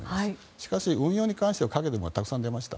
しかし運用に関して陰でたくさん出ました。